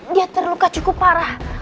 dia terluka cukup parah